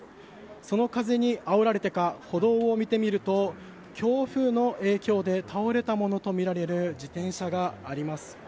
その風にあおられてか歩道を見てみると強風の影響で倒れたものとみられる自転車があります。